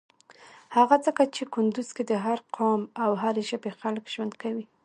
هغه ځکه چی کندوز کی د هر قام او هری ژبی خلک ژوند کویی.